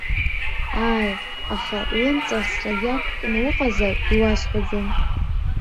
Ааи, аха лымҵарсра иақәкны уҟазар, иуасҳәаӡом.